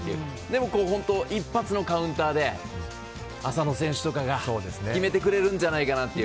でも一発のカウンターで浅野選手とかが決めてくれるんじゃないかなって。